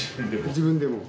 自分でも。